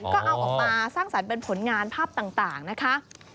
ก็เอาออกมาสร้างสรรค์เป็นผลงานภาพต่างนะคะ